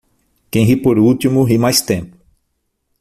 Quem ri por último, ri mais tempo.